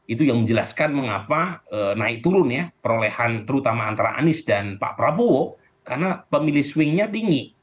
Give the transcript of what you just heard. itu yang menjelaskan mengapa naik turun ya perolehan terutama antara anies dan pak prabowo karena pemilih swingnya tinggi